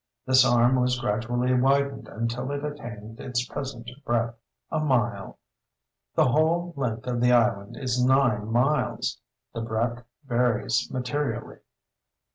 This arm was gradually widened until it attained its present breadth—a mile. The whole length of the island is nine miles; the breadth varies materially.